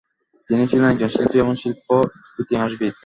তিনি ছিলেন একজন শিল্পী এবং শিল্প ইতিহাসবিদ।